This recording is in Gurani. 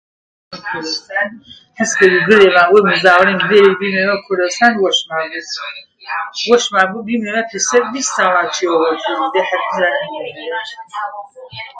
عەز کەروو گرذێما وێموو زاڤڵێم گلێرێ بیمێڤێ کورذەسان وەشما بۆ، وەشما بۆ بیمێ پیشە ڤیس ساڵا چیەوڤەڵتەر گرذێما وەشما بۆ